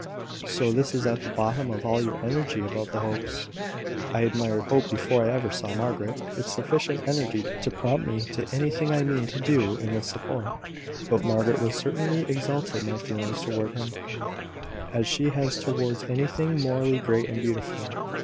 So this is at the bottom of all your energy about the Hopes!" "I admired Hope before I ever saw Margaret, with sufficient energy to prompt me to anything I mean to do in his support. But Margaret has certainly exalted my feelings towards him, as she has towards everything morally great and beautiful."